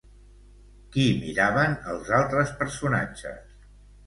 Qui miraven els altres personatges?